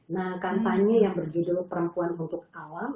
nah kampanye yang berjudul perempuan untuk alam